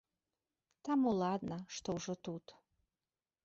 Таму ладна, што ўжо тут!